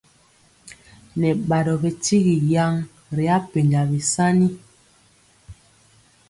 Nɛ badɔ bɛ tyigi yan ri apenja bisani.